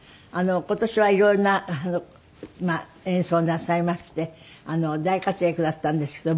今年はいろいろな演奏をなさいまして大活躍だったんですけど。